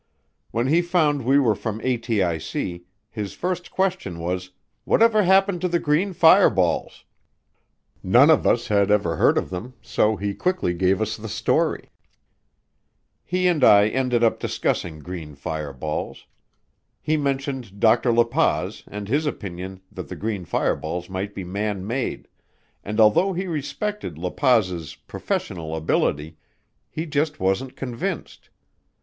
When he found we were from ATIC, his first question was, "What ever happened to the green fireballs?" None of us had ever heard of them, so he quickly gave us the story. He and I ended up discussing green fireballs. He mentioned Dr. La Paz and his opinion that the green fireballs might be man made, and although he respected La Paz's professional ability, he just wasn't convinced.